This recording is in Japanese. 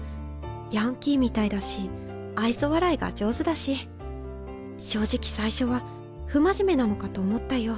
ヤンキーみたいだし愛想笑いが上手だし正直最初は不真面目なのかと思ったよ。